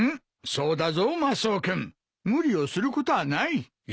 そうだぞマスオ君無理をすることはない。